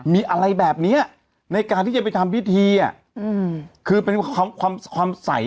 มีอะไรแบบเนี้ยในการที่จะไปทำพิธีอ่ะอืมคือเป็นความความใส